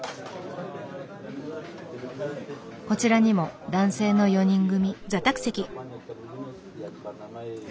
こちらにも男性の４人組。